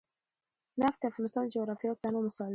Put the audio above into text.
نفت د افغانستان د جغرافیوي تنوع مثال دی.